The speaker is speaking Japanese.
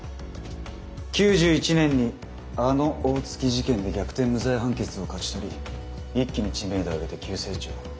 ９１年にあの大月事件で逆転無罪判決を勝ち取り一気に知名度を上げて急成長。